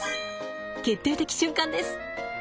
決定的瞬間です。